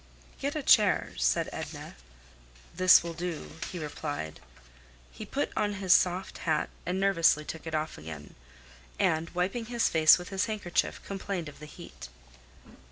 "Get a chair," said Edna. "This will do," he replied. He put on his soft hat and nervously took it off again, and wiping his face with his handkerchief, complained of the heat.